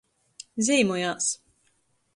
Zeimojās.